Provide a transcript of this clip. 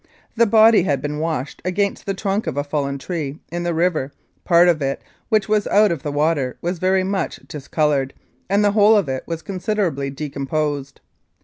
The body had been washed against the trunk of a fallen tree in the river; part of it, which was out of the water, was very much discoloured, and the whole of it was considerably decomposed.